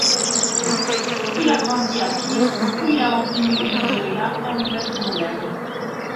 Il a grandi à Pise, où il a obtenu une laurea en lettres modernes.